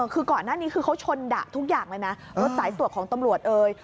คือก่อนหน้านี้คือเขาชนดะทุกอย่างเลยนะรถสายตรวจของตำรวจเอ่ย